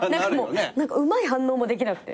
うまい反応もできなくて。